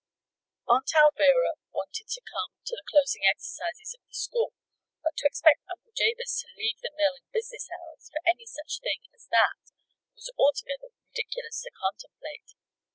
Aunt Alvirah wanted to come to the closing exercises of the school; but to expect Uncle Jabez to leave the mill in business hours for any such thing as that was altogether ridiculous to contemplate.